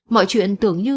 mọi chuyện tưởng như